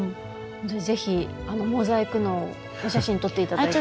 是非モザイク脳お写真撮っていただいて。